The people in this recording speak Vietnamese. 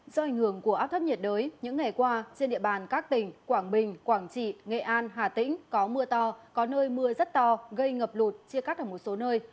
do ảnh hưởng của áp thấp nhiệt đới những ngày qua trên địa bàn các tỉnh quảng bình quảng trị nghệ an hà tĩnh có mưa to có nơi mưa rất to gây ngập lụt chia cắt ở một số nơi